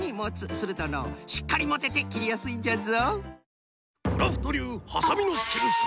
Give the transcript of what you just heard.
するとのうしっかりもてて切りやすいんじゃぞ。